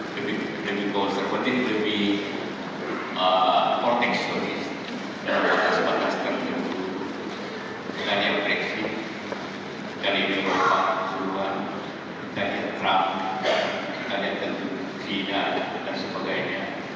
ketiga menuju lebih konservatif lebih proteksturis dengan batas batas tertentu dengan yang brexit dengan yang trump dengan yang tentu china dan sebagainya